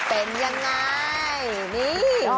เป็นยังไงนี่